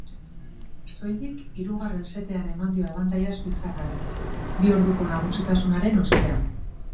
Soilik hirugarren setean eman dio abantaila suitzarrari, bi orduko nagusitasunaren ostean.